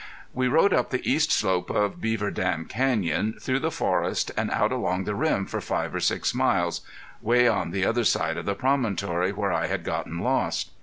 We rode up the east slope of Beaver Dam Canyon, through the forest, and out along the rim for five or six miles, way on the other side of the promontory where I had gotten lost.